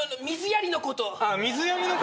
水やりのこと！？